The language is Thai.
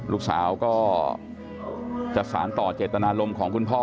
ลูกสาวก็จะสารต่อเจตนารมณ์ของคุณพ่อ